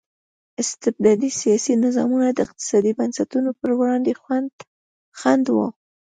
استبدادي سیاسي نظامونه د اقتصادي بنسټونو پر وړاندې خنډ وو.